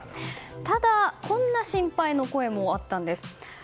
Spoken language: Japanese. ただ、こんな心配の声もあったんです。